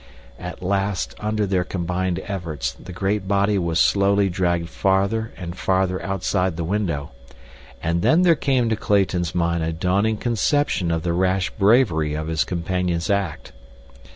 At last, under their combined efforts, the great body was slowly dragged farther and farther outside the window, and then there came to Clayton's mind a dawning conception of the rash bravery of his companion's act.